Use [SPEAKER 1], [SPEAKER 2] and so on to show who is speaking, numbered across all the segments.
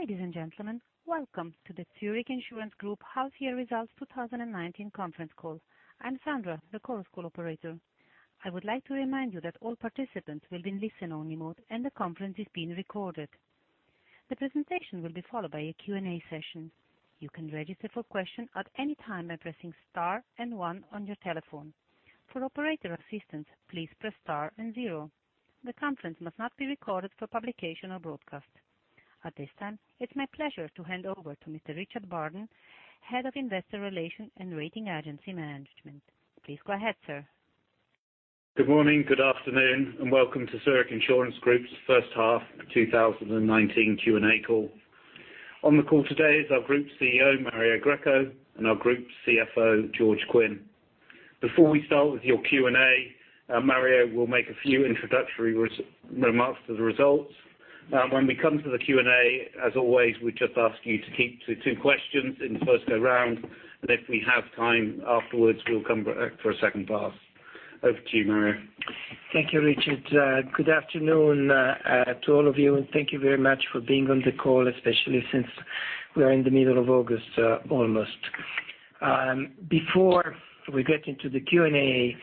[SPEAKER 1] Ladies and gentlemen, welcome to the Zurich Insurance Group Half Year Results 2019 conference call. I'm Sandra, the conference call operator. I would like to remind you that all participants will be in listen-only mode, and the conference is being recorded. The presentation will be followed by a Q&A session. You can register for question at any time by pressing star and one on your telephone. For operator assistance, please press star and zero. The conference must not be recorded for publication or broadcast. At this time, it's my pleasure to hand over to Mr. Richard Burden, Head of Investor Relations and Rating Agency Management. Please go ahead, sir.
[SPEAKER 2] Good morning, good afternoon, welcome to Zurich Insurance Group's first half 2019 Q&A call. On the call today is our Group CEO, Mario Greco, and our Group CFO, George Quinn. Before we start with your Q&A, Mario will make a few introductory remarks to the results. When we come to the Q&A, as always, we just ask you to keep to two questions in the first go around, and if we have time afterwards, we'll come back for a second pass. Over to you, Mario.
[SPEAKER 3] Thank you, Richard. Good afternoon to all of you, and thank you very much for being on the call, especially since we are in the middle of August, almost. Before we get into the Q&A,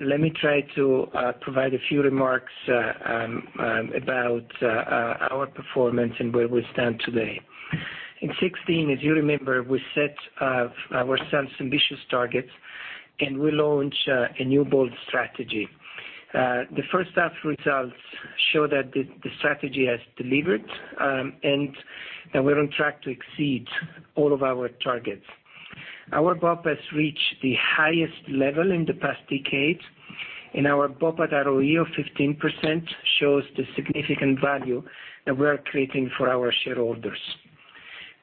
[SPEAKER 3] let me try to provide a few remarks about our performance and where we stand today. In 2016, as you remember, we set ourselves ambitious targets, and we launch a new bold strategy. The first half results show that the strategy has delivered, and that we're on track to exceed all of our targets. Our BOP has reached the highest level in the past decade, and our BOP at ROE of 15% shows the significant value that we are creating for our shareholders.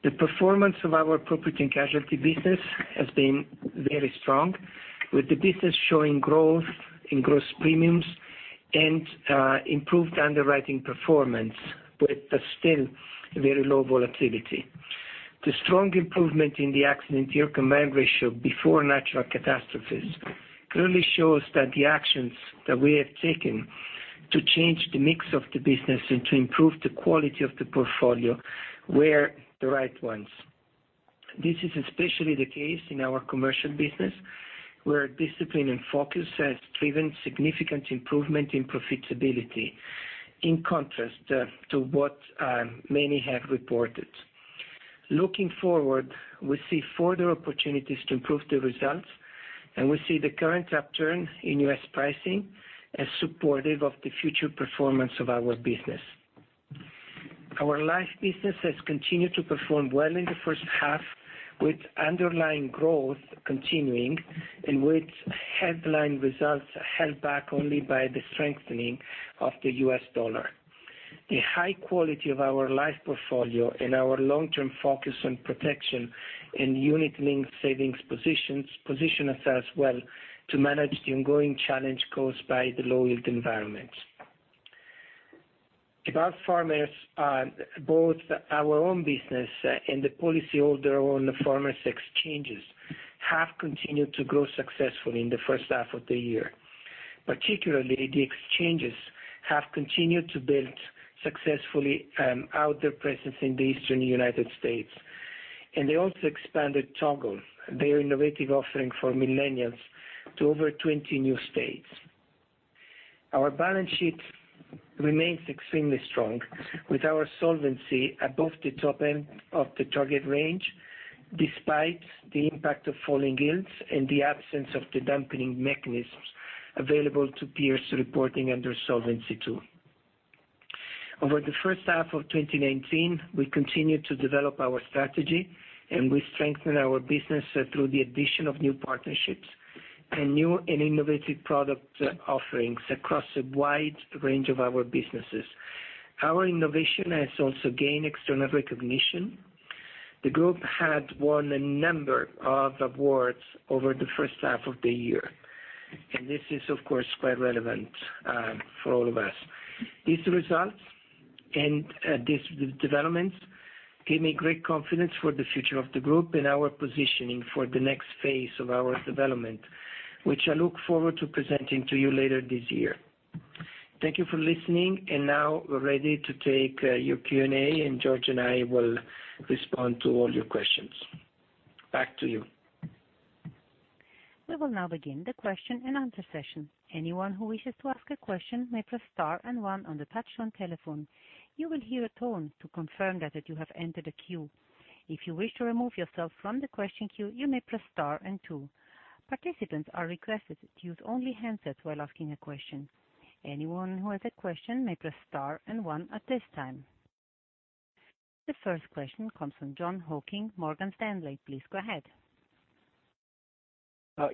[SPEAKER 3] The performance of our property and casualty business has been very strong, with the business showing growth in gross premiums and improved underwriting performance, but still very low volatility. The strong improvement in the accident year combined ratio before natural catastrophes clearly shows that the actions that we have taken to change the mix of the business and to improve the quality of the portfolio were the right ones. This is especially the case in our commercial business, where discipline and focus has driven significant improvement in profitability, in contrast to what many have reported. Looking forward, we see further opportunities to improve the results, and we see the current upturn in U.S. pricing as supportive of the future performance of our business. Our life business has continued to perform well in the first half, with underlying growth continuing and with headline results held back only by the strengthening of the U.S. dollar. The high quality of our life portfolio and our long-term focus on protection and unit-linked savings position us well to manage the ongoing challenge caused by the low yield environment. About Farmers, both our own business and the policyholder on the Farmers Exchanges have continued to grow successfully in the first half of the year. Particularly, the exchanges have continued to build successfully out their presence in the eastern U.S., and they also expanded Toggle, their innovative offering for millennials, to over 20 new states. Our balance sheet remains extremely strong, with our solvency above the top end of the target range, despite the impact of falling yields and the absence of the dampening mechanisms available to peers reporting under Solvency II. Over the first half of 2019, we continued to develop our strategy, and we strengthen our business through the addition of new partnerships and new and innovative product offerings across a wide range of our businesses. Our innovation has also gained external recognition. The Group had won a number of awards over the first half of the year, and this is, of course, quite relevant for all of us. These results and these developments give me great confidence for the future of the Group and our positioning for the next phase of our development, which I look forward to presenting to you later this year. Thank you for listening, and now we're ready to take your Q&A, and George and I will respond to all your questions. Back to you.
[SPEAKER 1] We will now begin the question and answer session. Anyone who wishes to ask a question may press star and 1 on the touchtone telephone. You will hear a tone to confirm that you have entered a queue. If you wish to remove yourself from the question queue, you may press star and 2. Participants are requested to use only handsets while asking a question. Anyone who has a question may press star and 1 at this time. The first question comes from Jon Hocking, Morgan Stanley. Please go ahead.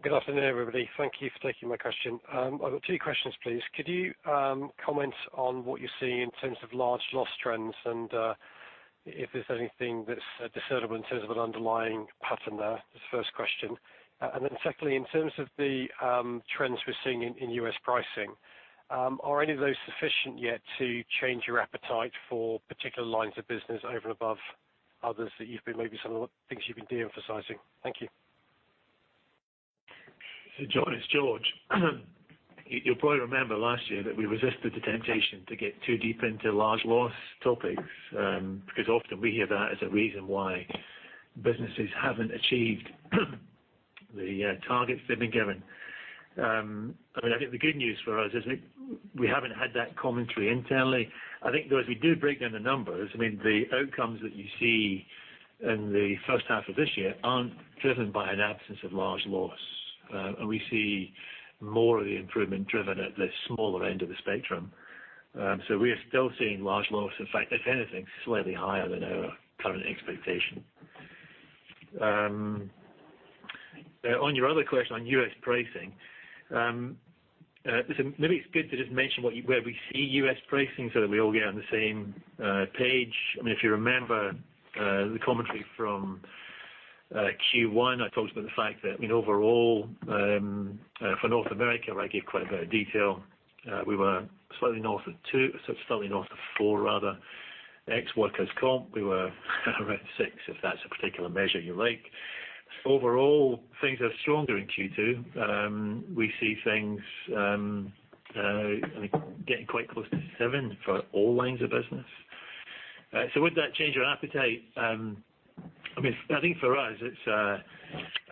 [SPEAKER 4] Good afternoon, everybody. Thank you for taking my question. I've got two questions, please. Could you comment on what you're seeing in terms of large loss trends and if there's anything that's discernible in terms of an underlying pattern there? That's the first question. Secondly, in terms of the trends we're seeing in U.S. pricing, are any of those sufficient yet to change your appetite for particular lines of business over and above others that you've been maybe some of the things you've been de-emphasizing? Thank you.
[SPEAKER 5] Jon, it's George. You'll probably remember last year that we resisted the temptation to get too deep into large loss topics, because often we hear that as a reason why businesses haven't achieved the targets they've been given. I think the good news for us is that we haven't had that commentary internally. I think, though, as we do break down the numbers, the outcomes that you see in the first half of this year aren't driven by an absence of large loss. We see more of the improvement driven at the smaller end of the spectrum. We are still seeing large loss. In fact, if anything, slightly higher than our current expectation. On your other question on U.S. pricing. Listen, maybe it's good to just mention where we see U.S. pricing so that we all get on the same page. If you remember the commentary from Q1, I talked about the fact that overall, for North America, where I gave quite a bit of detail, we were slightly north of two, slightly north of four rather. Ex workers comp, we were around six, if that's a particular measure you like. Overall, things are stronger in Q2. We see things getting quite close to seven for all lines of business. Would that change our appetite? I think for us,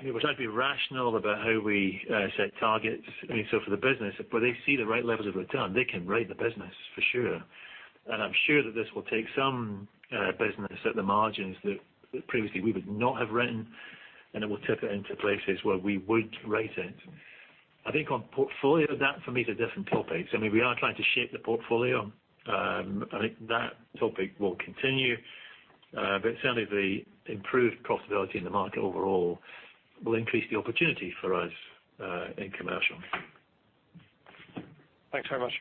[SPEAKER 5] we try to be rational about how we set targets. For the business, where they see the right levels of return, they can rate the business for sure. I'm sure that this will take some business at the margins that previously we would not have written, and it will tip it into places where we would rate it. I think on portfolio, that for me is a different topic. We are trying to shape the portfolio. I think that topic will continue. Certainly the improved profitability in the market overall will increase the opportunity for us in commercial.
[SPEAKER 4] Thanks very much.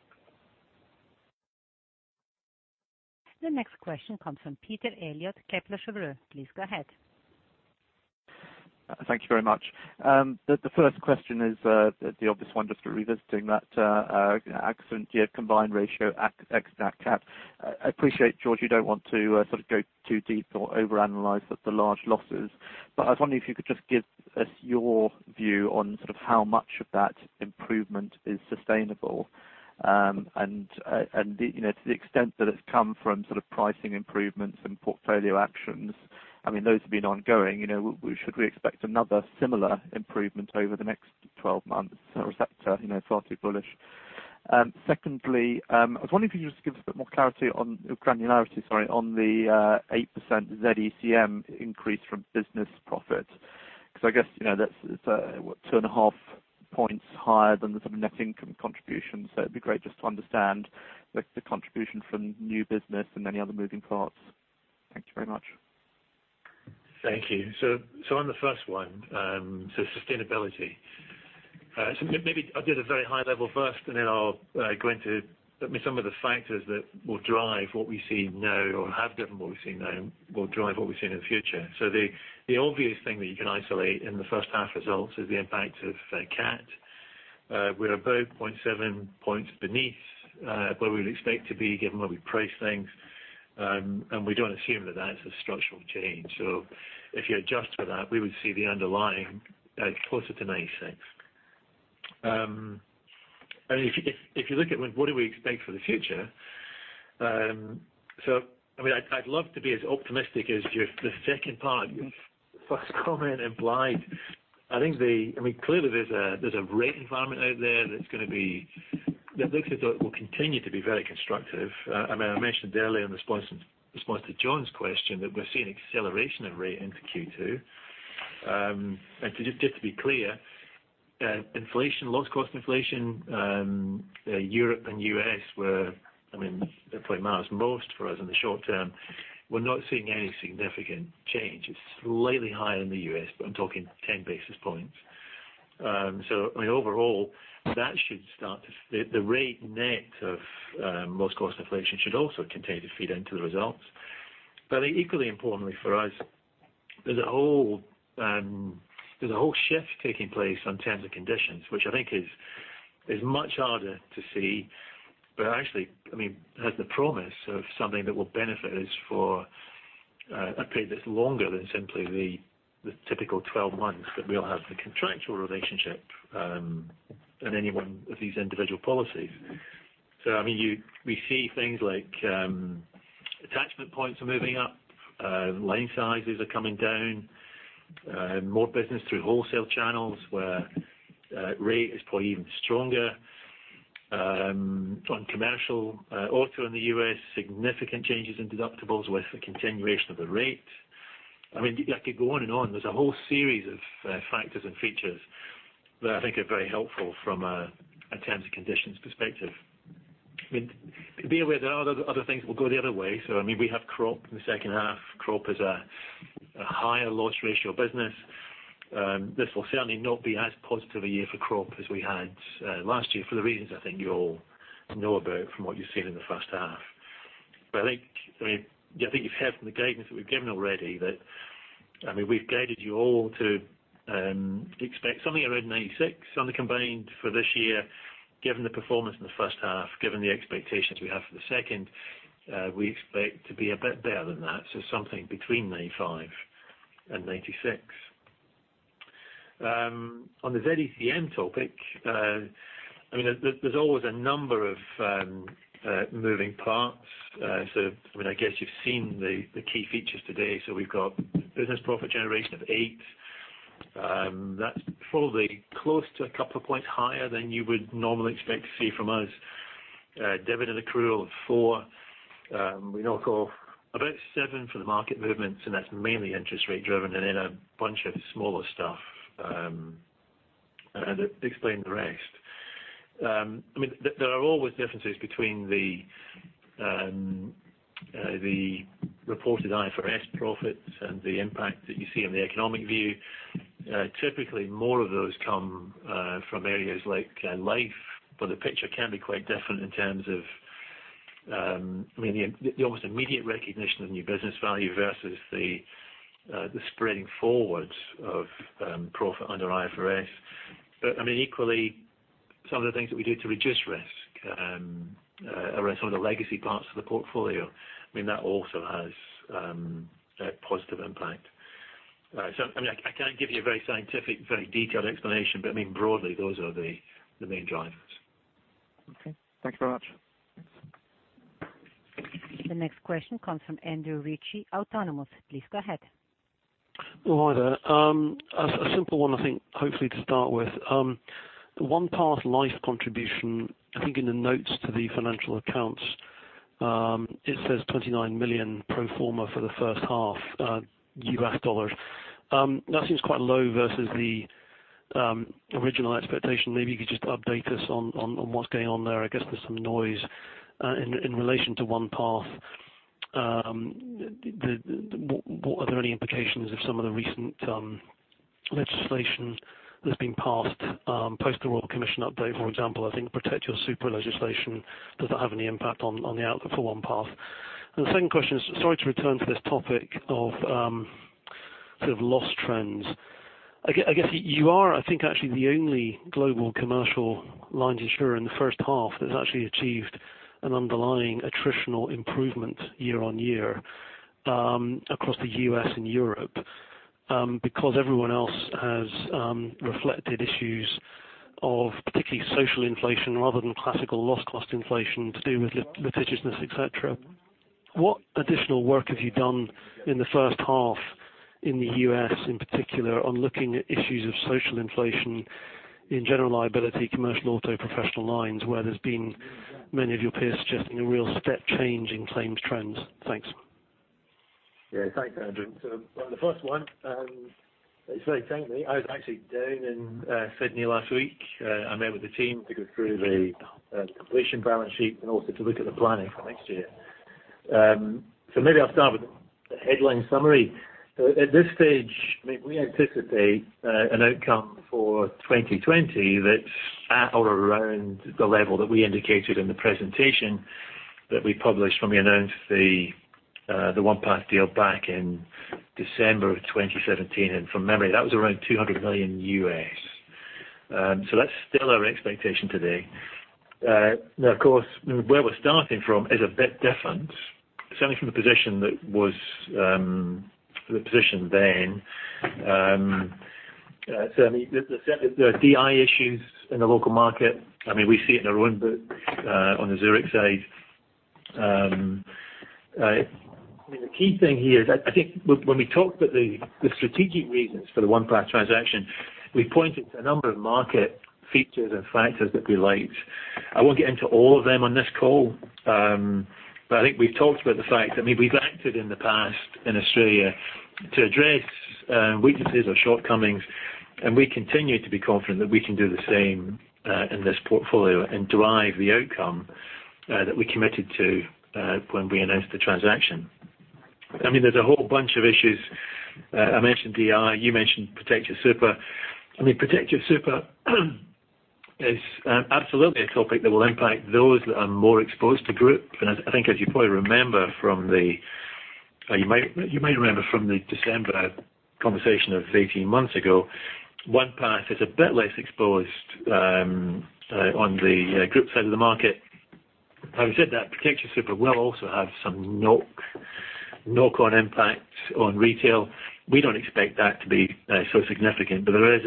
[SPEAKER 1] The next question comes from Peter Eliot, Kepler Cheuvreux. Please go ahead.
[SPEAKER 6] Thank you very much. The first question is the obvious one, just revisiting that accident year combined ratio ex CAT. I appreciate, George, you don't want to sort of go too deep or overanalyze the large losses. I was wondering if you could just give us your view on how much of that improvement is sustainable, and to the extent that it's come from pricing improvements and portfolio actions. Those have been ongoing. Should we expect another similar improvement over the next 12 months, or is that far too bullish? Secondly, I was wondering if you could just give us a bit more clarity on, granularity, sorry, on the 8% Z-ECM increase from business profit, because I guess that's 2.5 points higher than the net income contribution. It'd be great just to understand the contribution from new business and any other moving parts. Thank you very much.
[SPEAKER 5] Thank you. On the first one, sustainability. Maybe I'll do the very high level first and then I'll go into some of the factors that will drive what we see now or have driven what we see now, will drive what we see in the future. The obvious thing that you can isolate in the first half results is the impact of CAT. We're about 0.7 points beneath where we would expect to be given where we price things. We don't assume that that's a structural change. If you adjust for that, we would see the underlying closer to 96. If you look at what do we expect for the future, I'd love to be as optimistic as the second part your first comment implied. Clearly there's a rate environment out there that looks as though it will continue to be very constructive. I mentioned earlier in response to Jon's question that we're seeing acceleration of rate into Q2. Just to be clear, inflation, loss cost inflation, Europe and U.S. they're probably matters most for us in the short term. We're not seeing any significant change. It's slightly higher in the U.S., but I'm talking 10 basis points. Overall, the rate net of most cost inflation should also continue to feed into the results. I think equally importantly for us, there's a whole shift taking place on terms and conditions, which I think is much harder to see, but actually has the promise of something that will benefit us for a period that's longer than simply the typical 12 months that we'll have the contractual relationship in any one of these individual policies. We see things like attachment points are moving up, line sizes are coming down, more business through wholesale channels where rate is probably even stronger. On commercial auto in the U.S., significant changes in deductibles with the continuation of the rate. I could go on and on. There's a whole series of factors and features that I think are very helpful from a terms and conditions perspective. Be aware there are other things that will go the other way. We have crop in the second half. Crop is a higher loss ratio business. This will certainly not be as positive a year for crop as we had last year for the reasons I think you all know about from what you've seen in the first half. I think you've heard from the guidance that we've given already that we've guided you all to expect something around 96 on the combined for this year, given the performance in the first half, given the expectations we have for the second. We expect to be a bit better than that, so something between 95 and 96. On the Z-ECM topic, there's always a number of moving parts. I guess you've seen the key features today. We've got business profit generation of eight. That's probably close to a couple of points higher than you would normally expect to see from us. Dividend accrual of four. We knock off about seven for the market movements, and that's mainly interest rate driven, and then a bunch of smaller stuff that explain the rest. There are always differences between the reported IFRS profits and the impact that you see on the economic view. Typically, more of those come from areas like life, but the picture can be quite different in terms of the almost immediate recognition of new business value versus the spreading forwards of profit under IFRS. Equally, some of the things that we do to reduce risk around some of the legacy parts of the portfolio also has a positive impact. I can't give you a very scientific, very detailed explanation, but broadly, those are the main drivers.
[SPEAKER 6] Okay. Thank you very much.
[SPEAKER 1] The next question comes from Andrew Ritchie, Autonomous. Please go ahead.
[SPEAKER 7] Well, hi there. A simple one, I think, hopefully to start with. OnePath Life contribution, I think in the notes to the financial accounts, it says $29 million pro forma for the first half, US dollars. That seems quite low versus the original expectation. Maybe you could just update us on what's going on there. I guess there's some noise in relation to OnePath. Are there any implications of some of the recent legislation that's been passed post the Royal Commission update? For example, I think Protecting Your Super legislation, does that have any impact on the output for OnePath? The second question is, sorry to return to this topic of sort of loss trends. I guess you are, I think actually the only global commercial lines insurer in the first half that's actually achieved an underlying attritional improvement year-on-year across the U.S. and Europe. Everyone else has reflected issues of particularly social inflation rather than classical loss cost inflation to do with litigiousness, et cetera. What additional work have you done in the first half in the U.S., in particular, on looking at issues of social inflation in general liability, commercial auto, professional lines, where there's been many of your peers suggesting a real step change in claims trends? Thanks.
[SPEAKER 5] Yeah. Thanks, Andrew. On the first one, it's very timely. I was actually down in Sydney last week. I met with the team to go through the completion balance sheet and also to look at the planning for next year. Maybe I'll start with the headline summary. At this stage, we anticipate an outcome for 2020 that's at or around the level that we indicated in the presentation that we published when we announced the OnePath deal back in December of 2017. From memory, that was around $200 million. That's still our expectation today. Now, of course, where we're starting from is a bit different, certainly from the position then. There are DI issues in the local market. We see it in our own book on the Zurich side. The key thing here is, I think when we talked about the strategic reasons for the OnePath transaction, we pointed to a number of market features and factors that we liked. I won't get into all of them on this call. I think we've talked about the fact that we've acted in the past in Australia to address weaknesses or shortcomings, and we continue to be confident that we can do the same in this portfolio and drive the outcome that we committed to when we announced the transaction. There's a whole bunch of issues. I mentioned DI, you mentioned Protecting Your Super. Protecting Your Super is absolutely a topic that will impact those that are more exposed to group. I think as you may remember from the December conversation of 18 months ago, OnePath is a bit less exposed on the group side of the market. Having said that, Protecting Your Super will also have some knock-on impact on retail. We don't expect that to be so significant, but there is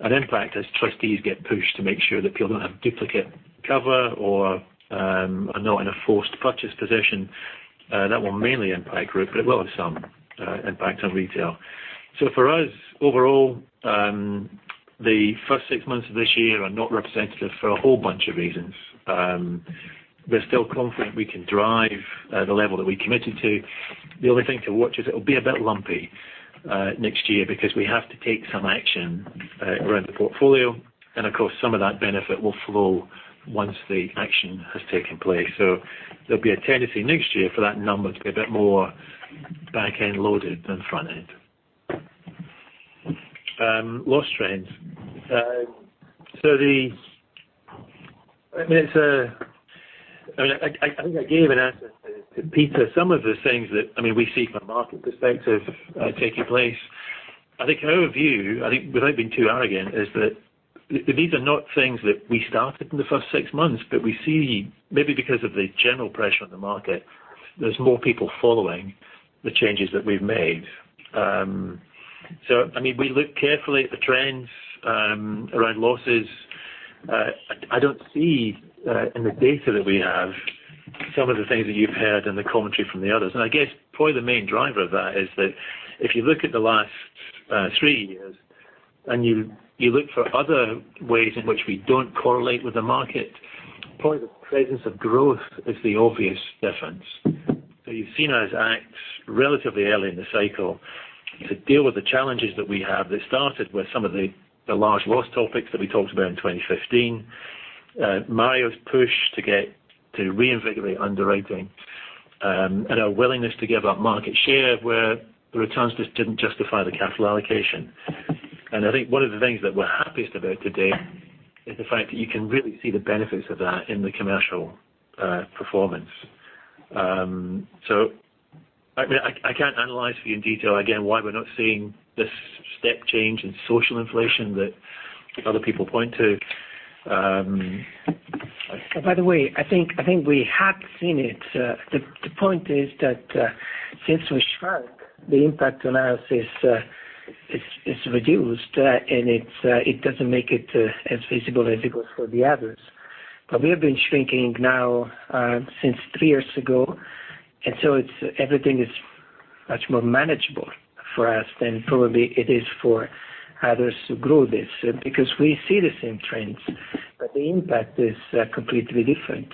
[SPEAKER 5] an impact as trustees get pushed to make sure that people don't have duplicate cover or are not in a forced purchase position. That will mainly impact group, but it will have some impact on retail. For us, overall, the first six months of this year are not representative for a whole bunch of reasons. We're still confident we can drive the level that we committed to. The only thing to watch is it'll be a bit lumpy next year because we have to take some action around the portfolio. Of course, some of that benefit will flow once the action has taken place. There'll be a tendency next year for that number to be a bit more back-end loaded than front end. Loss trends. I think I gave an answer to Peter. Some of the things that we see from a market perspective taking place. I think our view, without being too arrogant, is that these are not things that we started in the first six months, but we see maybe because of the general pressure on the market, there's more people following the changes that we've made. We look carefully at the trends around losses. I don't see in the data that we have some of the things that you've heard in the commentary from the others. I guess probably the main driver of that is that if you look at the last 3 years, and you look for other ways in which we don't correlate with the market, probably the presence of growth is the obvious difference. You've seen us act relatively early in the cycle to deal with the challenges that we have. They started with some of the large loss topics that we talked about in 2015. Mario's push to reinvigorate underwriting, and our willingness to give up market share where the returns just didn't justify the capital allocation. I think one of the things that we're happiest about today is the fact that you can really see the benefits of that in the commercial performance. I can't analyze for you in detail again why we're not seeing this step change in social inflation that other people point to.
[SPEAKER 3] By the way, I think we have seen it. The point is that since we shrunk, the impact analysis is reduced, and it doesn't make it as visible as it was for the others. We have been shrinking now since 3 years ago, and so everything is much more manageable for us than probably it is for others to grow this. We see the same trends, but the impact is completely different.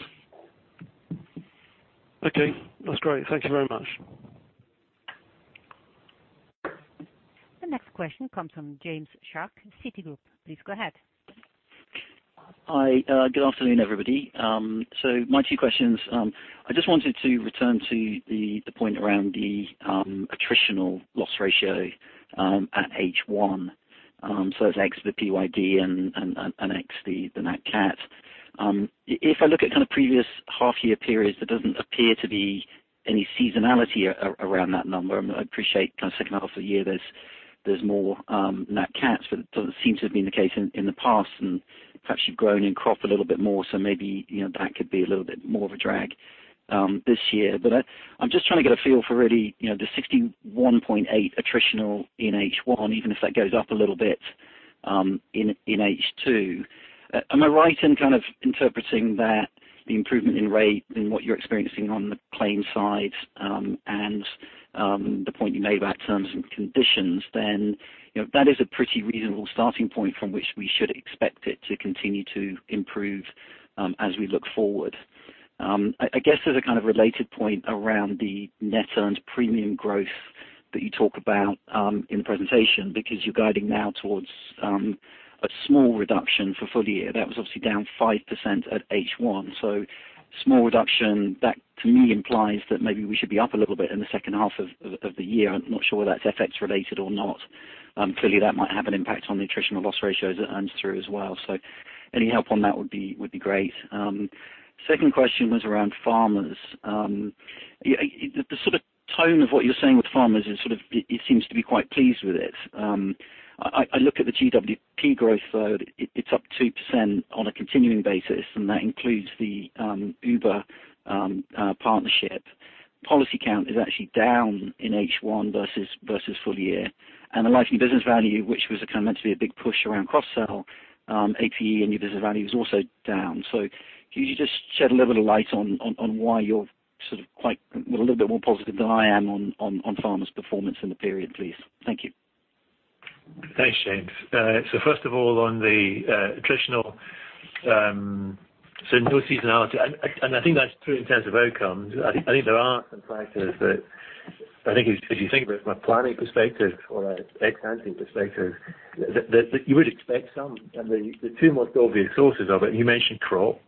[SPEAKER 7] Okay. That's great. Thank you very much.
[SPEAKER 1] The next question comes from James Shuck, Citigroup. Please go ahead.
[SPEAKER 8] Hi. Good afternoon, everybody. My two questions, I just wanted to return to the point around the attritional loss ratio at H1, so it's X the PYD and X the nat cat. If I look at kind of previous half year periods, there doesn't appear to be any seasonality around that number. I appreciate kind of second half of the year, there's more nat cats, it doesn't seem to have been the case in the past, perhaps you've grown in crop a little bit more, maybe that could be a little bit more of a drag this year. I'm just trying to get a feel for really the 61.8 attritional in H1, even if that goes up a little bit in H2. Am I right in kind of interpreting that the improvement in rate in what you're experiencing on the claims side and the point you made about terms and conditions, that is a pretty reasonable starting point from which we should expect it to continue to improve as we look forward. I guess as a kind of related point around the net earned premium growth that you talk about in the presentation, you're guiding now towards a small reduction for full year. That was obviously down 5% at H1. Small reduction, that to me implies that maybe we should be up a little bit in the second half of the year. I'm not sure whether that's FX related or not. That might have an impact on the attritional loss ratios it earns through as well. Any help on that would be great. Second question was around Farmers. The sort of tone of what you're saying with Farmers is sort of, it seems to be quite pleased with it. I look at the GWP growth rate. It's up 2% on a continuing basis, and that includes the Uber partnership. Policy count is actually down in H1 versus full year. The life unit business value, which was kind of meant to be a big push around cross sell, APE and new business value is also down. Can you just shed a little light on why you're sort of quite, a little bit more positive than I am on Farmers' performance in the period, please? Thank you.
[SPEAKER 5] Thanks, James. First of all, on the attritional, no seasonality. I think that's true in terms of outcomes. I think there are some factors that I think if you think about it from a planning perspective or a ex-ante perspective, that you would expect some. The two most obvious sources of it, you mentioned crop.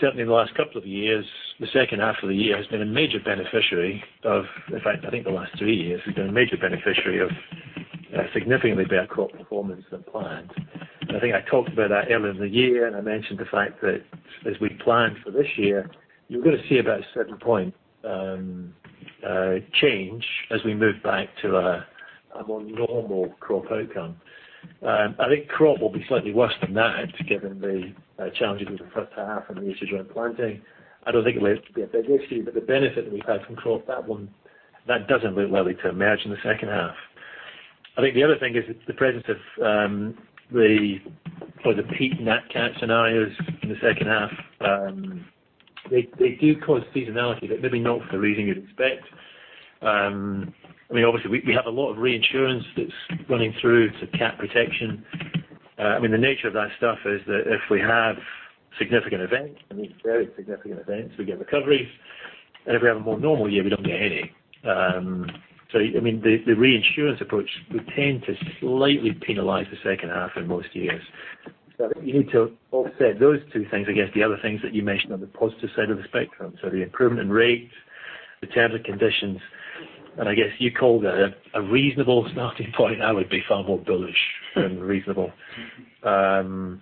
[SPEAKER 5] Certainly in the last couple of years, the second half of the year has been a major beneficiary of, in fact, I think the last three years, we've been a major beneficiary of significantly better crop performance than planned. I think I talked about that earlier in the year, and I mentioned the fact that as we plan for this year, you're going to see about a certain point change as we move back to a more normal crop outcome. I think crop will be slightly worse than that given the challenges in the first half and the issues around planting. I don't think it will be a big issue. The benefit that we've had from crop that doesn't look likely to emerge in the second half. I think the other thing is the presence of the peak nat cat scenarios in the second half. They do cause seasonality, maybe not for the reason you'd expect. Obviously, we have a lot of reinsurance that's running through, cat protection. The nature of that stuff is that if we have significant events, I mean very significant events, we get recoveries. If we have a more normal year, we don't get any. The reinsurance approach would tend to slightly penalize the second half in most years. You need to offset those two things against the other things that you mentioned on the positive side of the spectrum. The improvement in rates, the terms and conditions. I guess you called it a reasonable starting point. I would be far more bullish than reasonable. On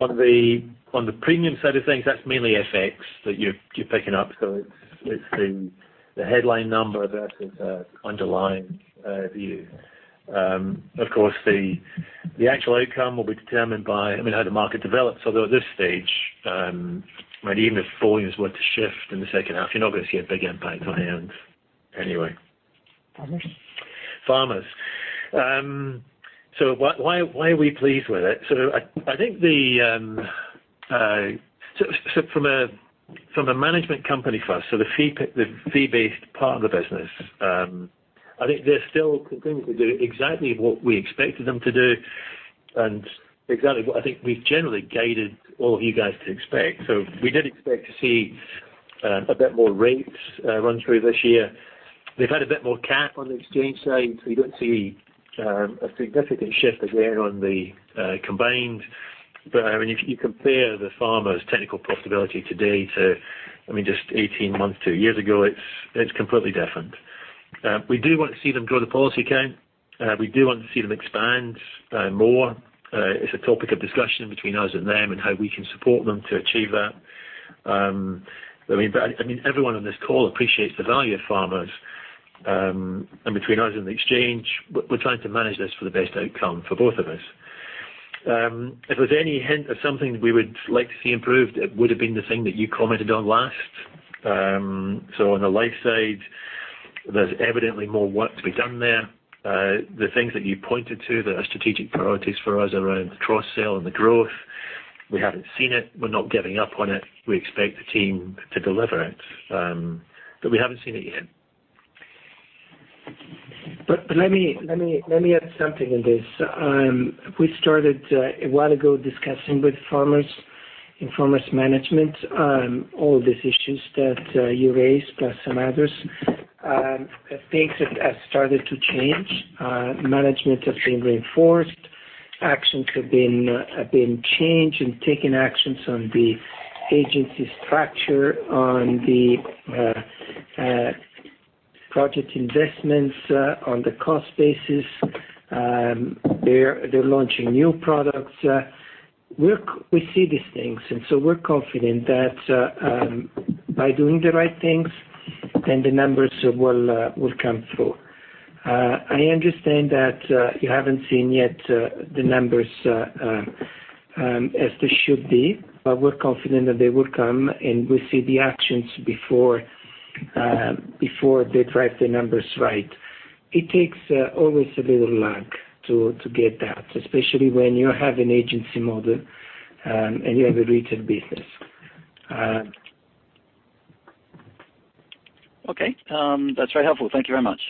[SPEAKER 5] the premium side of things, that's mainly FX that you're picking up. It's the headline number versus underlying view. Of course, the actual outcome will be determined by how the market develops. Although at this stage, even if volumes were to shift in the second half, you're not going to see a big impact on the end anyway.
[SPEAKER 3] Farmers.
[SPEAKER 5] Farmers. Why are we pleased with it? From a management company first, so the fee-based part of the business, I think they're still continuing to do exactly what we expected them to do and exactly what I think we've generally guided all of you guys to expect. We did expect to see a bit more rates run through this year. They've had a bit more CAT on the exchange side, so we don't see a significant shift there on the combined. If you compare the Farmers' technical profitability today to just 18 months, two years ago, it's completely different. We do want to see them grow the policy count. We do want to see them expand more. It's a topic of discussion between us and them and how we can support them to achieve that. Everyone on this call appreciates the value of Farmers. Between us and the exchange, we're trying to manage this for the best outcome for both of us. If there's any hint of something we would like to see improved, it would have been the thing that you commented on last. On the life side, there's evidently more work to be done there. The things that you pointed to that are strategic priorities for us around the cross-sell and the growth, we haven't seen it. We're not giving up on it. We expect the team to deliver it, but we haven't seen it yet.
[SPEAKER 3] Let me add something in this. We started a while ago discussing with Farmers and Farmers management all these issues that you raised, plus some others. Things have started to change. Management has been reinforced. Actions have been changed, and taken actions on the agency structure, on the project investments, on the cost basis. They're launching new products. We see these things, so we're confident that by doing the right things, the numbers will come through. I understand that you haven't seen yet the numbers as they should be, but we're confident that they will come, and we see the actions before they drive the numbers right. It takes always a bit of lag to get that, especially when you have an agency model and you have a retail business.
[SPEAKER 8] Okay. That's very helpful. Thank you very much.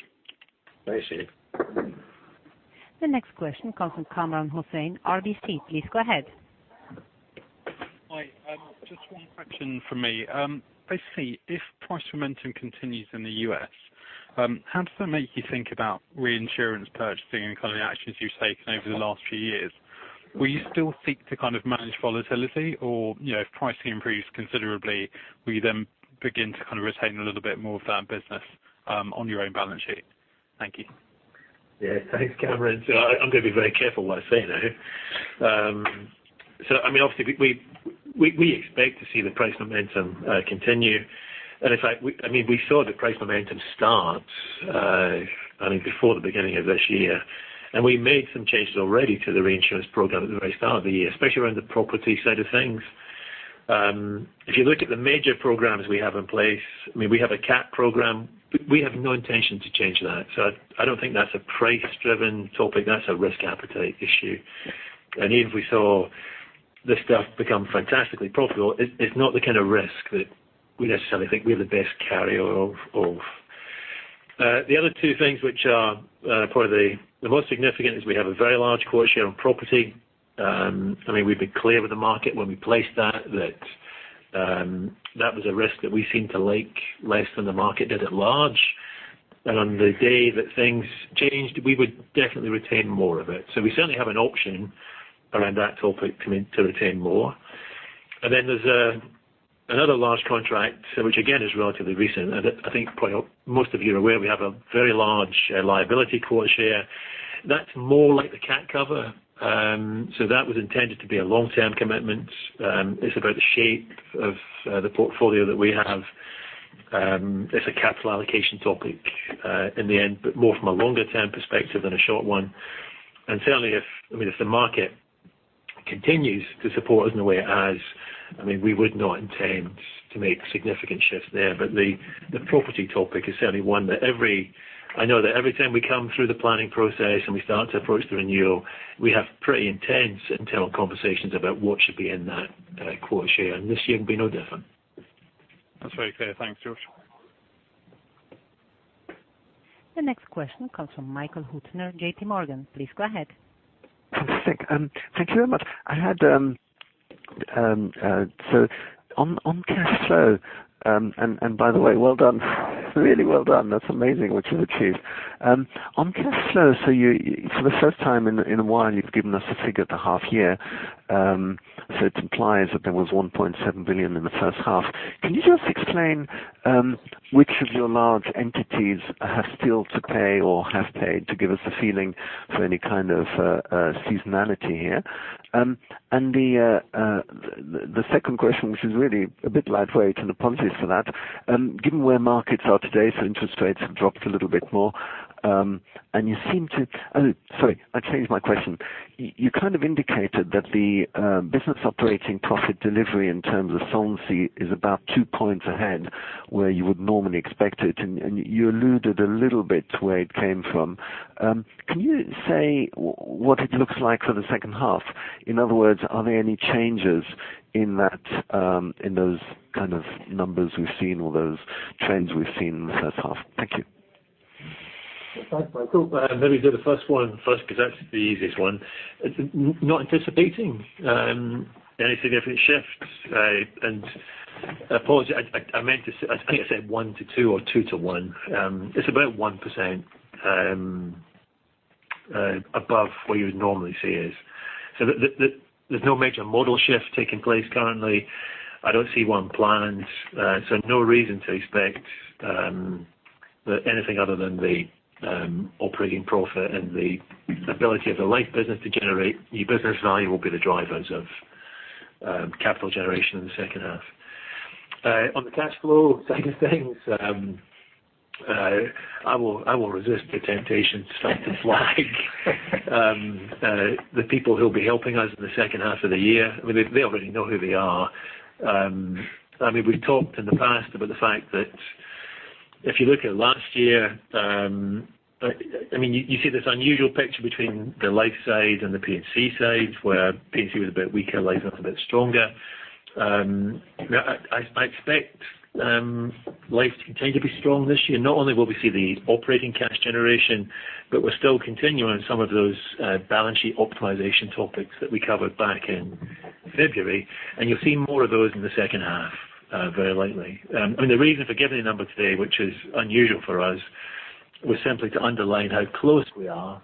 [SPEAKER 5] Thanks.
[SPEAKER 1] The next question comes from Kamran Hossain, RBC. Please go ahead.
[SPEAKER 9] Hi. Just one question from me. Basically, if price momentum continues in the U.S., how does that make you think about reinsurance purchasing and the actions you've taken over the last few years? Will you still seek to manage volatility? Or if pricing improves considerably, will you then begin to retain a little bit more of that business on your own balance sheet? Thank you.
[SPEAKER 5] Yeah. Thanks, Kamran. I'm going to be very careful what I say now. Obviously, we expect to see the price momentum continue. In fact, we saw the price momentum start before the beginning of this year. We made some changes already to the reinsurance program at the very start of the year, especially around the property side of things. If you look at the major programs we have in place, we have a CAT program. We have no intention to change that. I don't think that's a price driven topic, that's a risk appetite issue. Even if we saw this stuff become fantastically profitable, it's not the kind of risk that we necessarily think we're the best carrier of. The other two things which are probably the most significant is we have a very large quota share on property. We've been clear with the market when we placed that that was a risk that we seem to like less than the market did at large. On the day that things changed, we would definitely retain more of it. We certainly have an option around that topic coming to retain more. There's another large contract, which again, is relatively recent. I think probably most of you are aware we have a very large liability quota share. That's more like the CAT cover. That was intended to be a long-term commitment. It's about the shape of the portfolio that we have. It's a capital allocation topic in the end, but more from a longer term perspective than a short one. Certainly if the market continues to support us in the way it has, we would not intend to make significant shifts there. The property topic is certainly one that I know that every time we come through the planning process and we start to approach the renewal, we have pretty intense internal conversations about what should be in that quota share. This year will be no different.
[SPEAKER 9] That's very clear. Thanks, George.
[SPEAKER 1] The next question comes from Michael Huttner, JP Morgan. Please go ahead.
[SPEAKER 10] Fantastic. Thank you very much. On cash flow, and by the way, well done. Really well done. That's amazing what you've achieved. On cash flow, for the first time in a while, you've given us a figure at the half year, it implies that there was $1.7 billion in the first half. Can you just explain which of your large entities have still to pay or have paid to give us a feeling for any kind of seasonality here? The second question, which is really a bit lightweight, and apologies for that. Given where markets are today, interest rates have dropped a little bit more, you seem to Oh, sorry. I change my question. You kind of indicated that the Business Operating Profit delivery in terms of Solvency is about two points ahead where you would normally expect it, and you alluded a little bit to where it came from. Can you say what it looks like for the second half? In other words, are there any changes in those kind of numbers we've seen or those trends we've seen in the first half? Thank you.
[SPEAKER 5] Thanks, Michael. Maybe do the first one first because that's the easiest one. Not anticipating any significant shifts. Apologies, I think I said one to two or two to one. It's about 1% above what you would normally see is. There's no major model shift taking place currently. I don't see one planned. No reason to expect anything other than the operating profit and the ability of the life business to generate new business value will be the drivers of capital generation in the second half. On the cash flow side of things, I will resist the temptation to start to flag the people who'll be helping us in the second half of the year. They already know who they are. We've talked in the past about the fact that if you look at last year, you see this unusual picture between the life side and the P&C side, where P&C was a bit weaker, life was a bit stronger. I expect life to continue to be strong this year. Not only will we see the operating cash generation, but we're still continuing some of those balance sheet optimization topics that we covered back in February, and you'll see more of those in the second half, very likely. The reason for giving a number today, which is unusual for us, was simply to underline how close we are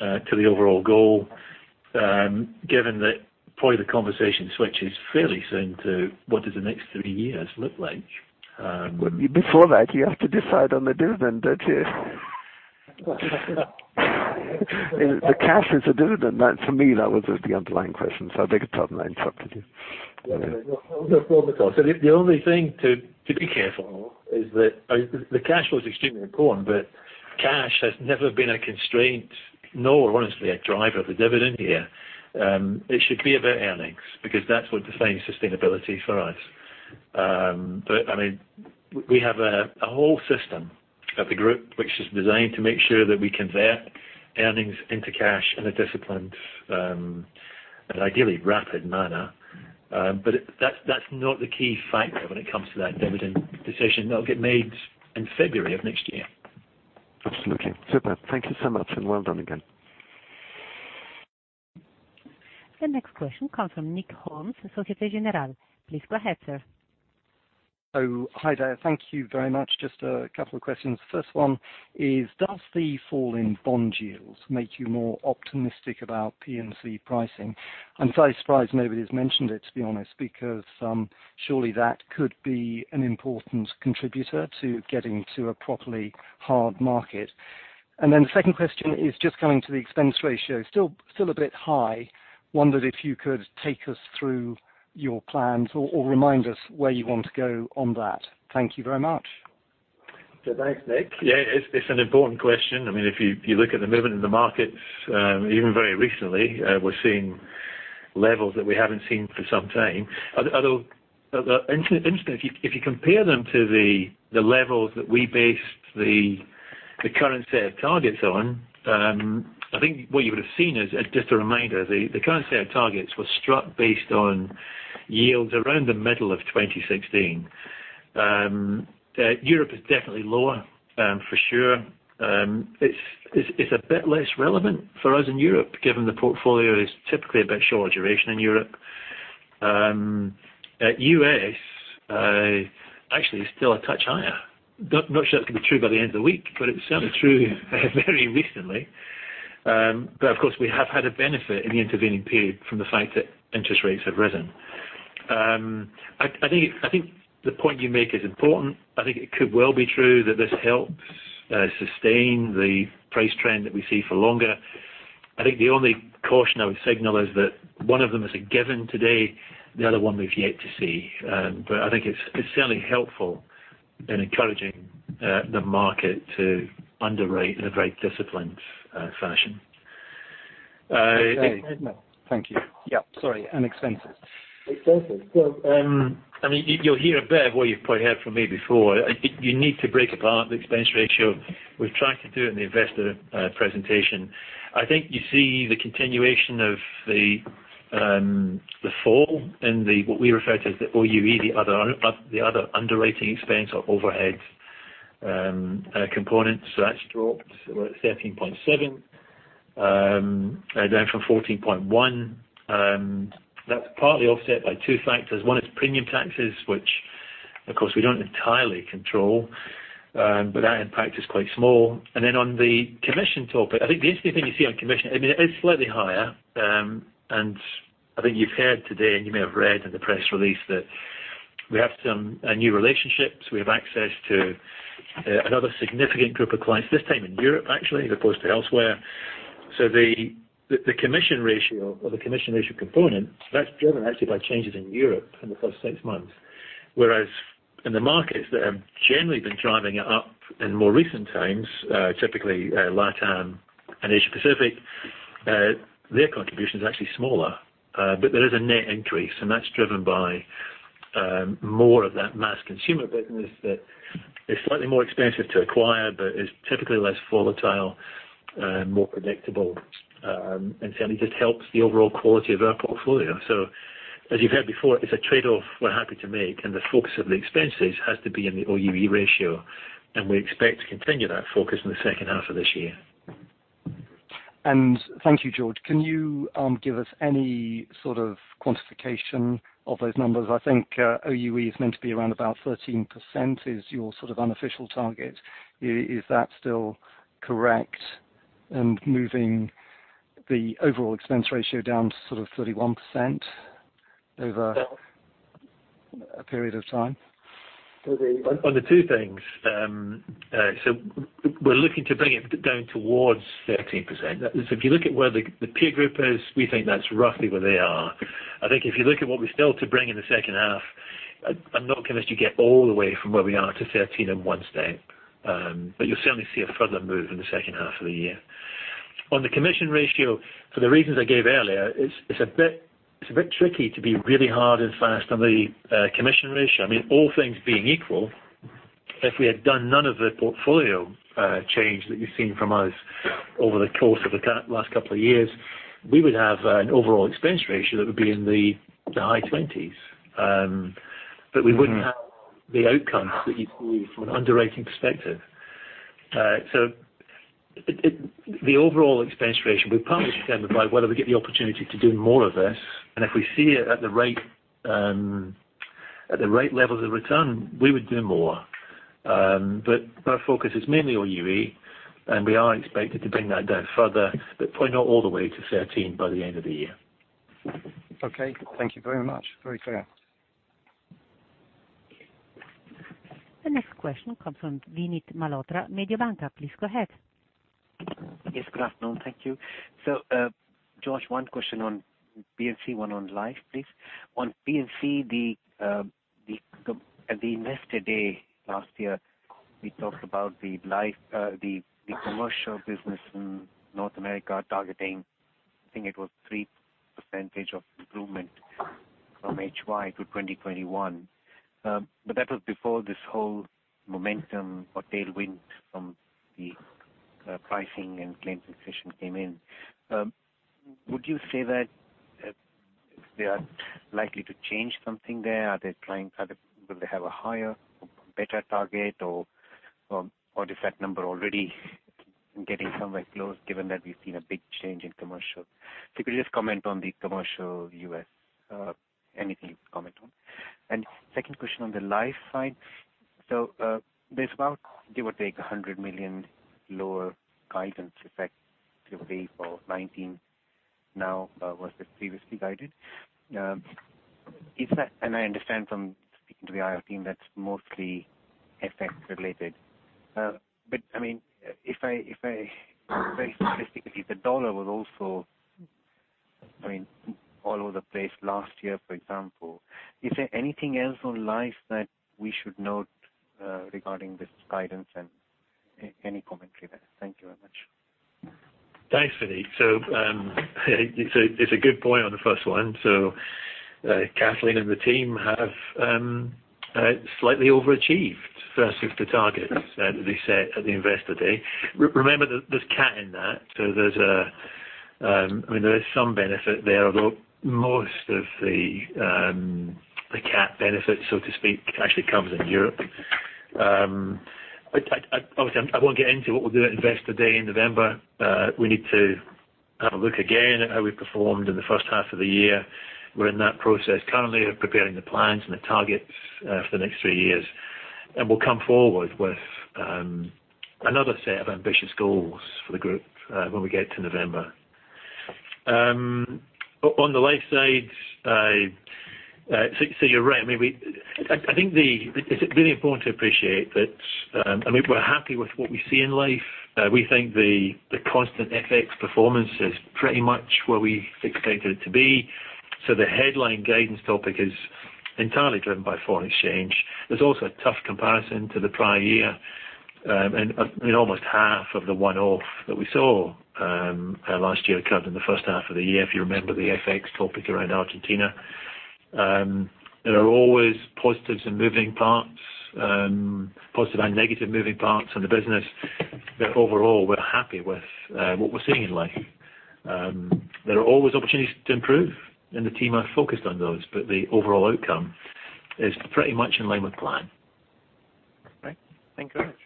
[SPEAKER 5] to the overall goal, given that probably the conversation switches fairly soon to what does the next three years look like?
[SPEAKER 10] Before that, you have to decide on the dividend, don't you? The cash is the dividend. For me, that was the underlying question. I think it's top line up to you.
[SPEAKER 5] No. The only thing to be careful of is that the cash flow is extremely important, cash has never been a constraint, nor, honestly, a driver of the dividend here. It should be about earnings, because that's what defines sustainability for us. We have a whole system at the Group, which is designed to make sure that we convert earnings into cash in a disciplined, and ideally rapid manner. That's not the key factor when it comes to that dividend decision. That'll get made in February of next year.
[SPEAKER 10] Absolutely. Super. Thank you so much, and well done again.
[SPEAKER 1] The next question comes from Nick Holmes, Société Générale. Please go ahead, sir.
[SPEAKER 11] Oh, hi there. Thank you very much. Just a couple of questions. First one is, does the fall in bond yields make you more optimistic about P&C pricing? I'm very surprised nobody's mentioned it, to be honest, because surely that could be an important contributor to getting to a properly hard market. The second question is just coming to the expense ratio, still a bit high. I wondered if you could take us through your plans or remind us where you want to go on that. Thank you very much.
[SPEAKER 5] Thanks, Nick. Yeah, it's an important question. If you look at the movement in the markets, even very recently, we're seeing levels that we haven't seen for some time. Although, interesting, if you compare them to the levels that we based the current set of targets on, I think what you would have seen is, just a reminder, the current set of targets was struck based on yields around the middle of 2016. Europe is definitely lower, for sure. It's a bit less relevant for us in Europe, given the portfolio is typically a bit shorter duration in Europe. In the U.S., actually, it's still a touch higher. Not sure that could be true by the end of the week, but it was certainly true very recently. Of course, we have had a benefit in the intervening period from the fact that interest rates have risen. I think the point you make is important. I think it could well be true that this helps sustain the price trend that we see for longer. I think the only caution I would signal is that one of them is a given today, the other one we've yet to see. I think it's certainly helpful in encouraging the market to underwrite in a very disciplined fashion.
[SPEAKER 11] Thank you. Yeah, sorry, expenses.
[SPEAKER 5] Expenses. You'll hear a bit of what you've probably heard from me before. You need to break apart the expense ratio. We've tried to do it in the investor presentation. I think you see the continuation of the fall in the, what we refer to as the OUE, the other underwriting expense or overhead component. That's dropped. We're at 13.7, down from 14.1. That's partly offset by two factors. One is premium taxes, which, of course, we don't entirely control, but that impact is quite small. On the commission topic, I think the interesting thing you see on commission, it is slightly higher. I think you've heard today, and you may have read in the press release, that we have some new relationships. We have access to another significant group of clients, this time in Europe actually, as opposed to elsewhere. The commission ratio or the commission ratio component, that's driven actually by changes in Europe in the first six months. Whereas in the markets that have generally been driving it up in more recent times, typically LATAM and Asia-Pacific, their contribution is actually smaller. There is a net increase, and that's driven by more of that mass consumer business that is slightly more expensive to acquire but is typically less volatile and more predictable, and certainly just helps the overall quality of our portfolio. As you've heard before, it's a trade-off we're happy to make, and the focus of the expenses has to be in the OUE ratio, and we expect to continue that focus in the second half of this year.
[SPEAKER 11] Thank you, George. Can you give us any sort of quantification of those numbers? I think OUE is meant to be around about 13%, is your sort of unofficial target. Is that still correct in moving the overall expense ratio down to 31% over a period of time?
[SPEAKER 5] On the two things. We're looking to bring it down towards 13%. If you look at where the peer group is, we think that's roughly where they are. I think if you look at what we've still to bring in the second half, I'm not convinced you get all the way from where we are to 13 in one step. You'll certainly see a further move in the second half of the year. On the combined ratio, for the reasons I gave earlier, it's a bit tricky to be really hard and fast on the combined ratio. I mean, all things being equal, if we had done none of the portfolio change that you've seen from us over the course of the last couple of years, we would have an overall expense ratio that would be in the high 20s. We wouldn't have the outcomes that you'd want from an underwriting perspective. The overall expense ratio will partly be determined by whether we get the opportunity to do more of this. If we see it at the right levels of return, we would do more. Our focus is mainly OUE, and we are expected to bring that down further, but probably not all the way to 13 by the end of the year.
[SPEAKER 11] Okay. Thank you very much. Very clear.
[SPEAKER 1] The next question comes from Vinit Malhotra, Mediobanca. Please go ahead.
[SPEAKER 12] Yes, good afternoon. Thank you. George, one question on P&C, one on Life, please. On P&C, at the Investor Day last year, we talked about the commercial business in North America targeting, I think it was 3% of improvement from HY to 2021. That was before this whole momentum or tailwind from the pricing and claims inflation came in. Would you say that they are likely to change something there? Will they have a higher or better target, or is that number already getting somewhere close, given that we've seen a big change in commercial? If you could just comment on the commercial U.S. Anything you can comment on. Second question on the Life side. There's about, give or take, 100 million lower guidance effect to date for 2019 now, versus previously guided. I understand from speaking to the IR team, that's mostly FX related. The dollar was also all over the place last year, for example. Is there anything else on Life that we should note regarding this guidance and any commentary there? Thank you very much.
[SPEAKER 5] Thanks, Vinit. It's a good point on the first one. Kathleen and the team have slightly overachieved versus the targets that they set at the Investor Day. Remember, there's CAT in that. There is some benefit there, although most of the CAT benefit, so to speak, actually comes in Europe. Obviously, I won't get into what we'll do at Investor Day in November. We need to have a look again at how we performed in the first half of the year. We're in that process currently of preparing the plans and the targets for the next three years, and we'll come forward with another set of ambitious goals for the group when we get to November. On the Life side, you're right. I think it's really important to appreciate that we're happy with what we see in Life. We think the constant FX performance is pretty much where we expected it to be. The headline guidance topic is entirely driven by foreign exchange. There's also a tough comparison to the prior year. Almost half of the one-off that we saw last year occurred in the first half of the year, if you remember the FX topic around Argentina. There are always positives and moving parts, positive and negative moving parts in the business, but overall, we're happy with what we're seeing in Life. There are always opportunities to improve, and the team are focused on those, but the overall outcome is pretty much in line with plan. Great. Thank you very much.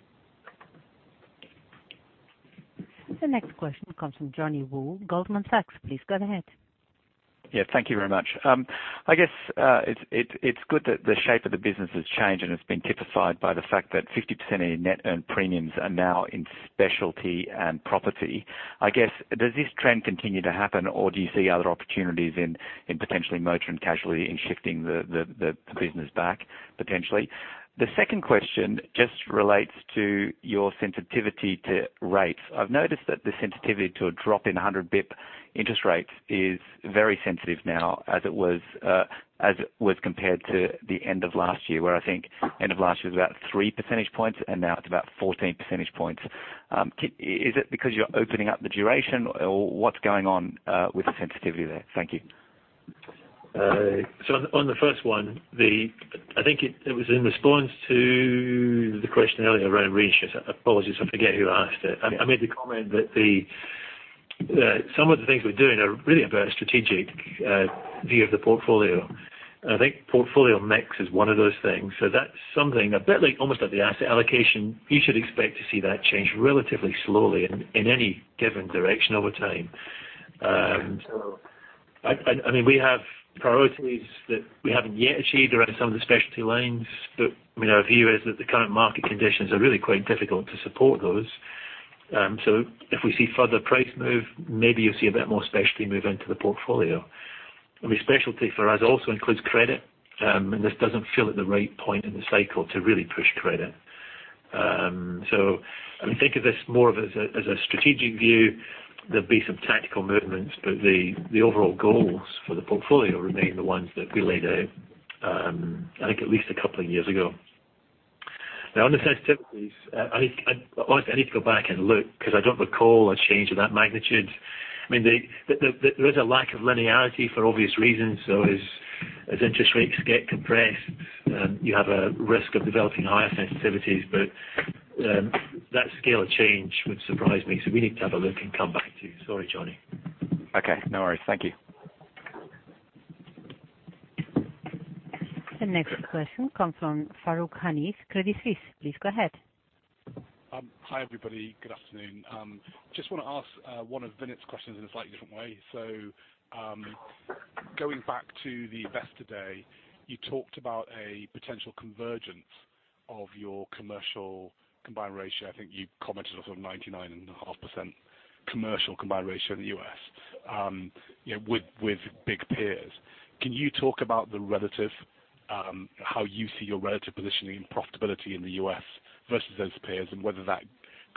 [SPEAKER 1] The next question comes from Johnny Wu, Goldman Sachs. Please go ahead.
[SPEAKER 13] Thank you very much. I guess it's good that the shape of the business has changed and has been typified by the fact that 50% of your net earned premiums are now in specialty and property. I guess, does this trend continue to happen or do you see other opportunities in potentially commercial casualty in shifting the business back potentially? The second question just relates to your sensitivity to rates. I've noticed that the sensitivity to a drop in 100 basis points interest rates is very sensitive now as it was compared to the end of last year, where I think end of last year was about three percentage points and now it's about 14 percentage points. Is it because you're opening up the duration? Or what's going on with the sensitivity there? Thank you.
[SPEAKER 5] On the first one, I think it was in response to the question earlier around reinsurance. Apologies, I forget who asked it. I made the comment that some of the things we're doing are really about a strategic view of the portfolio. I think portfolio mix is one of those things. That's something a bit like almost at the asset allocation, you should expect to see that change relatively slowly in any given direction over time. We have priorities that we haven't yet achieved around some of the specialty lines, but our view is that the current market conditions are really quite difficult to support those. If we see further price move, maybe you'll see a bit more specialty move into the portfolio. Specialty for us also includes credit, and this doesn't feel at the right point in the cycle to really push credit. Think of this more of as a strategic view. There'll be some tactical movements, but the overall goals for the portfolio remain the ones that we laid out, I think at least a couple of years ago. On the sensitivities, honestly, I need to go back and look because I don't recall a change of that magnitude. There is a lack of linearity for obvious reasons. As interest rates get compressed, you have a risk of developing higher sensitivities. That scale of change would surprise me. We need to have a look and come back to you. Sorry, Jonny.
[SPEAKER 13] Okay. No worries. Thank you.
[SPEAKER 1] The next question comes from Farooq Hanif, Credit Suisse. Please go ahead.
[SPEAKER 14] Hi, everybody. Good afternoon. Just want to ask one of Vinit's questions in a slightly different way. Going back to the Investor Day, you talked about a potential convergence of your commercial combined ratio. I think you commented on some 99.5% commercial combined ratio in the U.S. with big peers. Can you talk about how you see your relative positioning and profitability in the U.S. versus those peers and whether that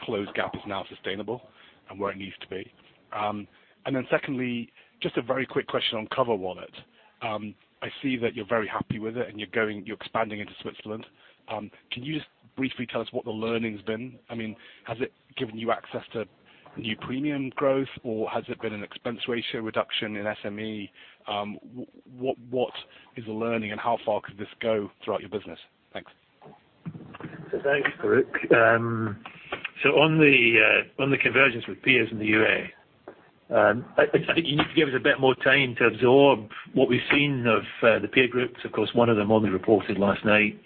[SPEAKER 14] closed gap is now sustainable and where it needs to be? Then secondly, just a very quick question on CoverWallet. I see that you're very happy with it and you're expanding into Switzerland. Can you just briefly tell us what the learning's been? Has it given you access to new premium growth or has it been an expense ratio reduction in SME? What is the learning and how far could this go throughout your business? Thanks.
[SPEAKER 5] Thanks, Farooq. On the convergence with peers in the U.S., I think you need to give us a bit more time to absorb what we've seen of the peer groups. Of course, one of them only reported last night.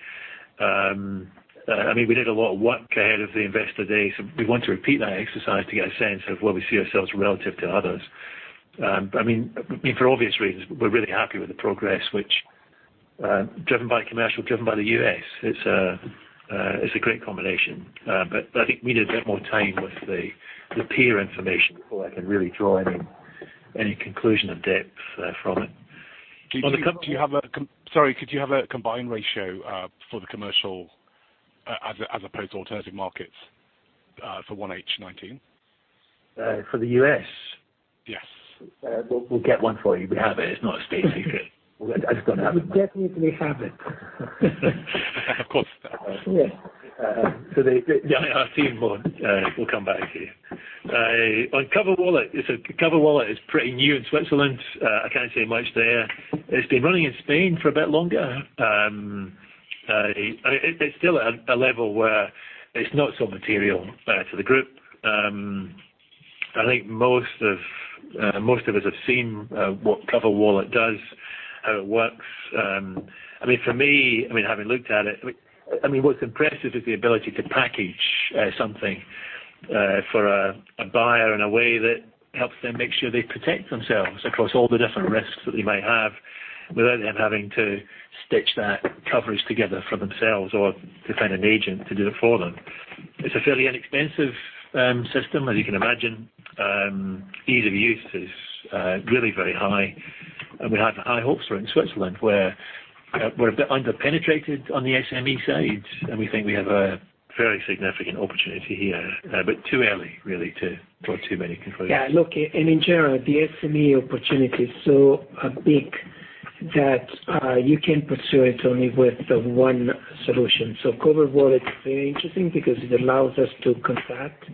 [SPEAKER 5] We did a lot of work ahead of the Investor Day, so we want to repeat that exercise to get a sense of where we see ourselves relative to others. For obvious reasons, we're really happy with the progress, which driven by commercial, driven by the U.S. It's a great combination. I think we need a bit more time with the peer information before I can really draw any conclusion of depth from it.
[SPEAKER 14] Sorry, could you have a combined ratio for the commercial as opposed to alternative markets for 1H 2019?
[SPEAKER 5] For the U.S.?
[SPEAKER 14] Yes.
[SPEAKER 5] We'll get one for you. We have it. It's not a state secret.
[SPEAKER 3] I would definitely have it.
[SPEAKER 14] Of course.
[SPEAKER 5] Yeah. Our team will come back to you. On CoverWallet is pretty new in Switzerland. I can't say much there. It's been running in Spain for a bit longer. It's still at a level where it's not so material to the group. I think most of us have seen what CoverWallet does, how it works. For me, having looked at it, what's impressive is the ability to package something for a buyer in a way that helps them make sure they protect themselves across all the different risks that they might have without them having to stitch that coverage together for themselves or to find an agent to do it for them. It's a fairly inexpensive system, as you can imagine. Ease of use is really very high, and we have high hopes for it in Switzerland, where we're a bit under-penetrated on the SME side, and we think we have a fairly significant opportunity here. Too early, really, to draw too many conclusions.
[SPEAKER 3] Look, in general, the SME opportunity is so big that you can pursue it only with one solution. CoverWallet is very interesting because it allows us to contact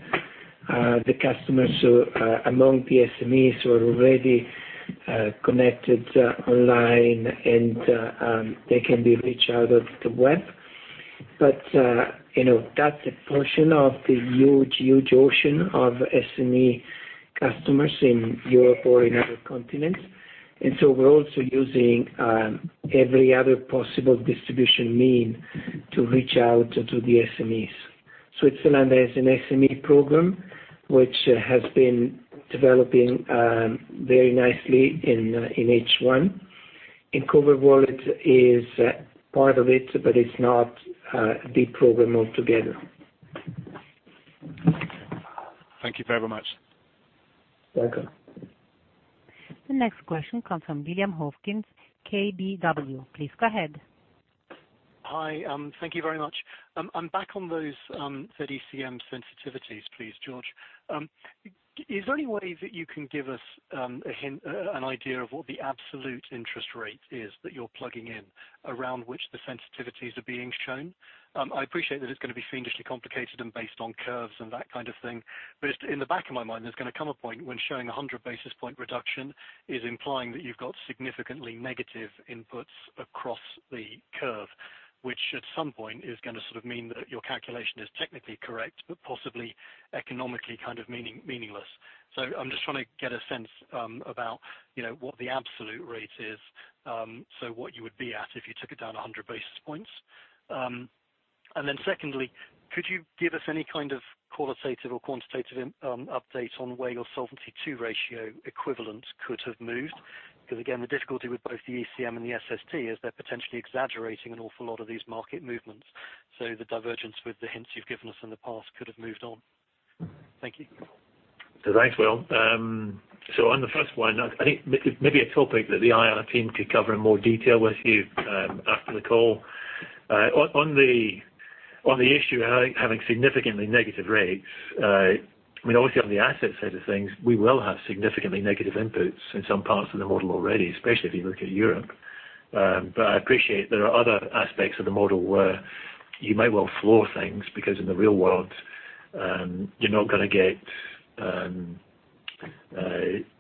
[SPEAKER 3] the customers who among the SMEs who are already connected online, and they can be reached out of the web. That's a portion of the huge ocean of SME customers in Europe or in other continents. So we're also using every other possible distribution mean to reach out to the SMEs. Switzerland has an SME program which has been developing very nicely in H1, and CoverWallet is part of it, but it's not the program altogether.
[SPEAKER 14] Thank you very much.
[SPEAKER 3] Welcome.
[SPEAKER 1] The next question comes from William Hawkins, KBW. Please go ahead.
[SPEAKER 15] Hi. Thank you very much. I'm back on those Z-ECM sensitivities, please, George. Is there any way that you can give us a hint, an idea of what the absolute interest rate is that you're plugging in, around which the sensitivities are being shown? I appreciate that it's going to be fiendishly complicated and based on curves and that kind of thing, but in the back of my mind, there's going to come a point when showing 100 basis point reduction is implying that you've got significantly negative inputs across the curve, which at some point is going to sort of mean that your calculation is technically correct, but possibly economically kind of meaningless. I'm just trying to get a sense about what the absolute rate is, so what you would be at if you took it down 100 basis points. Secondly, could you give us any kind of qualitative or quantitative update on where your Solvency II ratio equivalent could have moved? Again, the difficulty with both the ECM and the SST is they're potentially exaggerating an awful lot of these market movements. The divergence with the hints you've given us in the past could have moved on. Thank you.
[SPEAKER 5] Thanks, Will. On the first one, I think maybe a topic that the IR team could cover in more detail with you after the call. On the issue having significantly negative rates, obviously on the asset side of things, we will have significantly negative inputs in some parts of the model already, especially if you look at Europe. I appreciate there are other aspects of the model where you may well floor things, because in the real world, you're not going to get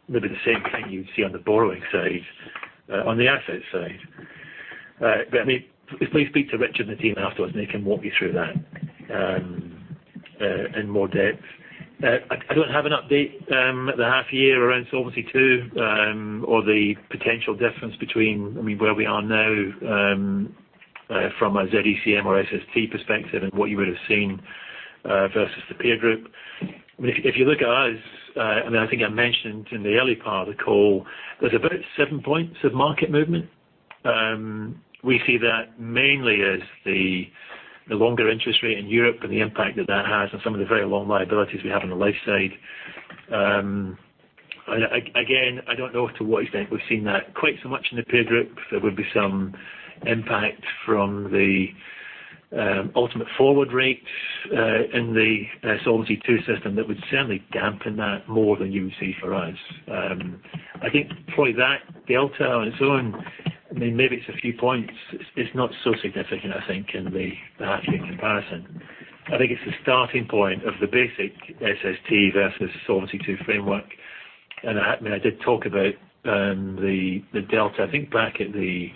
[SPEAKER 5] maybe the same thing you'd see on the borrowing side, on the asset side. Please speak to Richard and the team afterwards, and they can walk you through that in more depth. I don't have an update at the half year around Solvency II or the potential difference between where we are now, from a Z-ECM or SST perspective and what you would have seen versus the peer group. If you look at us, I think I mentioned in the early part of the call, there's about seven points of market movement. We see that mainly as the longer interest rate in Europe and the impact that that has on some of the very long liabilities we have on the life side. I don't know to what extent we've seen that quite so much in the peer group. There would be some impact from the ultimate forward rates in the Solvency II system that would certainly dampen that more than you would see for us. I think probably that delta on its own, maybe it's a few points. It's not so significant, I think, in the half year comparison. I think it's the starting point of the basic SST versus Solvency II framework. I did talk about the delta, I think back in the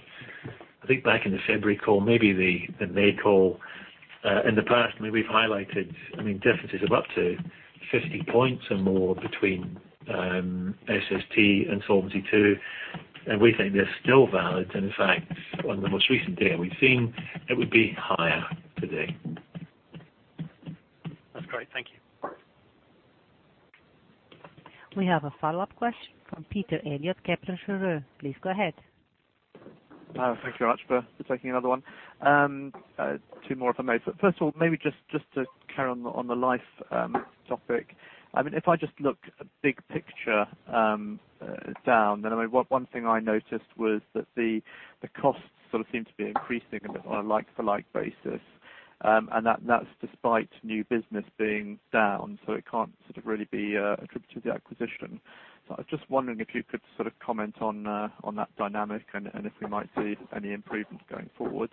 [SPEAKER 5] February call, maybe the May call. In the past, we've highlighted differences of up to 50 points or more between SST and Solvency II, and we think they're still valid. In fact, on the most recent data we've seen, it would be higher today.
[SPEAKER 15] That's great. Thank you.
[SPEAKER 1] We have a follow-up question from Peter Eliot, Kepler Cheuvreux. Please go ahead.
[SPEAKER 6] Thank you very much for taking another one. Two more if I may. Maybe just to carry on the life topic. If I just look big picture down, one thing I noticed was that the costs sort of seem to be increasing on a like-for-like basis. That's despite new business being down, it can't sort of really be attributed to the acquisition. I was just wondering if you could sort of comment on that dynamic and if we might see any improvements going forward.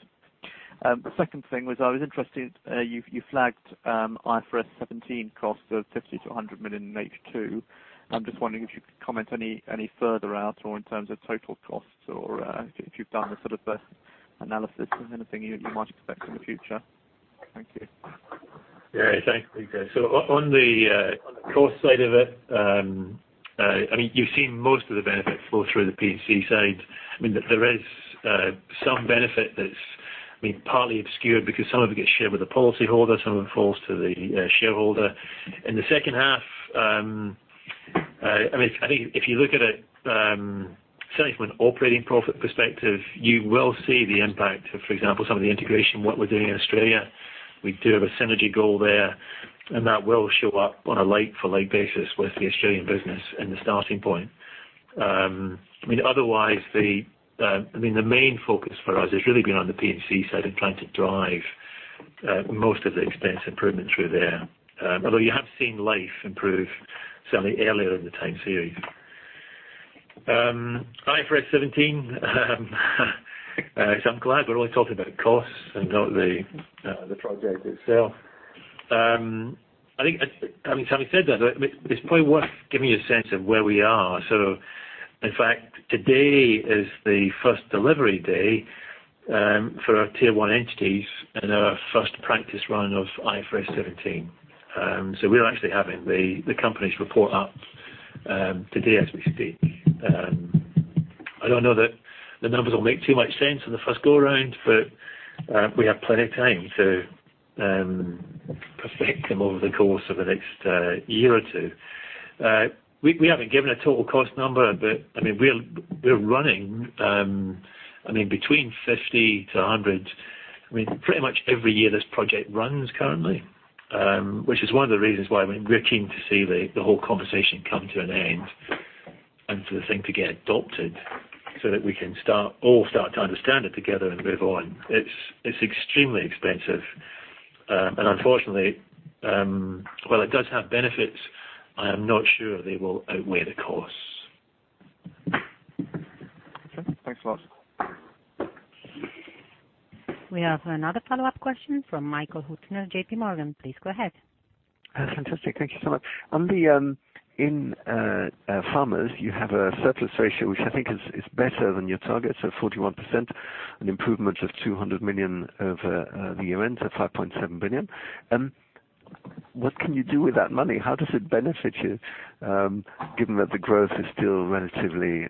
[SPEAKER 6] The second thing was, I was interested, you flagged IFRS 17 costs of $50 million-$100 million in H2. I'm just wondering if you could comment any further out or in terms of total costs or if you've done a sort of analysis of anything you might expect in the future. Thank you.
[SPEAKER 5] Thanks, Peter. On the cost side of it, you've seen most of the benefit flow through the P&C side. There is some benefit that's partly obscured because some of it gets shared with the policyholder, some of it falls to the shareholder. In the second half, I think if you look at it certainly from an operating profit perspective, you will see the impact of, for example, some of the integration, what we're doing in Australia. We do have a synergy goal there, and that will show up on a like-for-like basis with the Australian business in the starting point. The main focus for us has really been on the P&C side and plan to drive most of the expense improvement through there. You have seen life improve certainly earlier in the time series. IFRS 17. I'm glad we're only talking about costs and not the project itself. Having said that, it's probably worth giving you a sense of where we are. In fact, today is the first delivery day for our tier 1 entities and our first practice run of IFRS 17. We're actually having the companies report up today as we speak. I don't know that the numbers will make too much sense on the first go around, but we have plenty of time to perfect them over the course of the next year or two. We haven't given a total cost number, but we're running between $50 to $100 pretty much every year this project runs currently. Which is one of the reasons why we're keen to see the whole conversation come to an end and for the thing to get adopted so that we can all start to understand it together and move on. It's extremely expensive. Unfortunately, while it does have benefits, I am not sure they will outweigh the costs.
[SPEAKER 6] Okay. Thanks a lot.
[SPEAKER 1] We have another follow-up question from Michael Huttner, JPMorgan. Please go ahead.
[SPEAKER 10] Fantastic. Thank you so much. In Farmers, you have a surplus ratio, which I think is better than your target, 41%, an improvement of $200 million over the event of $5.7 billion. What can you do with that money? How does it benefit you, given that the growth is still relatively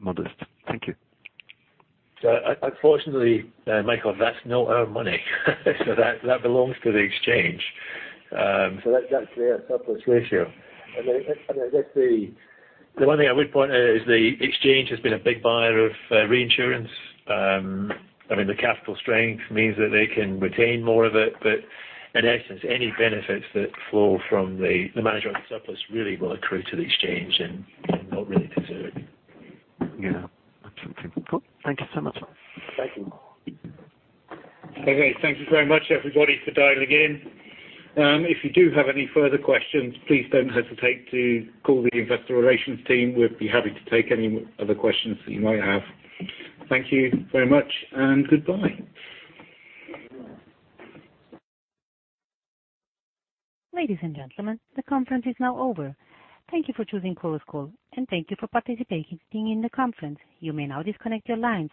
[SPEAKER 10] modest? Thank you.
[SPEAKER 5] Unfortunately, Michael, that's not our money. That belongs to the exchange. That's their surplus ratio. The one thing I would point out is the exchange has been a big buyer of reinsurance. The capital strength means that they can retain more of it, but in essence, any benefits that flow from the management surplus really will accrue to the exchange and not really to Zurich.
[SPEAKER 10] Yeah. Absolutely. Cool. Thank you so much.
[SPEAKER 5] Thank you.
[SPEAKER 2] Okay. Thank you very much, everybody, for dialing in. If you do have any further questions, please don't hesitate to call the investor relations team. We'd be happy to take any other questions that you might have. Thank you very much, and goodbye.
[SPEAKER 1] Ladies and gentlemen, the conference is now over. Thank you for choosing Chorus Call, and thank you for participating in the conference. You may now disconnect your lines.